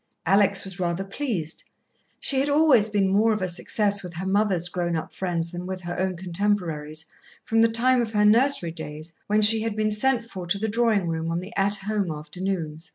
Alex was rather pleased. She had always been more of a success with her mother's grown up friends than with her own contemporaries, from the time of her nursery days, when she had been sent for to the drawing room on the "At Home" afternoons.